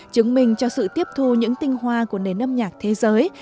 chứng minh cho sự tiếp thu những tinh hoa của nền âm nhạc thế giới